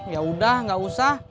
ya udah gak usah